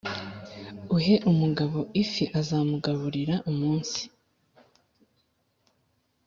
uhe umugabo ifi uzamugaburira umunsi ...